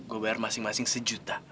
gue bayar masing masing sejuta